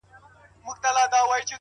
د زړه له درده دا نارۍ نه وهم،